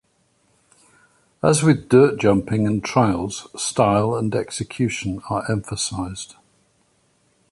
As with Dirt Jumping and Trials, style and execution are emphasized.